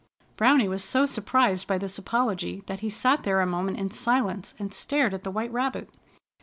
Browny was so surprised by this apology that he sat there a moment in silence and stared at the White Rabbit.